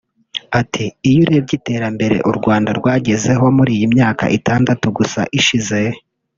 Ati “Iyo urebye iterambere u Rwanda rwagezeho muri iyi myaka itandatu gusa ishize